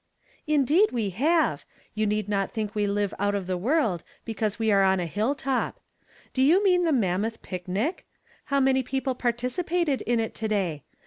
"Indeed we have ! You need not think we live out of the world, because we are on a hill top. Do you mean the mammoth picnic? How many people participated in it to day?